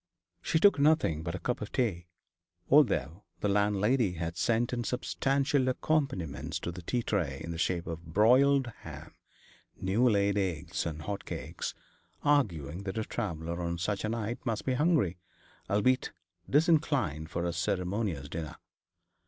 She took nothing but a cup of tea, although the landlady had sent in substantial accompaniments to the tea tray in the shape of broiled ham, new laid eggs, and hot cakes, arguing that a traveller on such a night must be hungry, albeit disinclined for a ceremonious dinner.